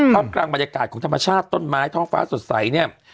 กลางบรรยากาศของธรรมชาติต้นไม้ท้องฟ้าสดใสเนี่ย